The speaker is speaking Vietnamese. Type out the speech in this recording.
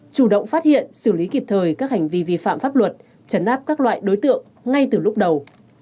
chủ động phát hiện xử lý kịp thời các hành vi vi phạm pháp luật chấn áp các loại đối tượng ngay từ lúc đầu